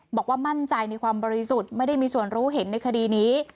บอกว่ามั่นใจในความบริสุทธิ์ไม่ได้มีส่วนรู้เห็นในคดีนี้